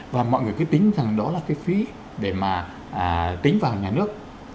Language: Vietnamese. và mọi người cứ tính rằng đó là cái phí để mà tính vào nhà nước